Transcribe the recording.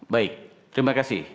baik terima kasih